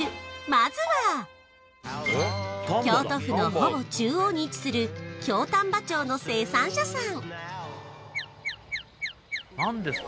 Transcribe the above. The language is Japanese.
まずは京都府のほぼ中央に位置する京丹波町の生産者さん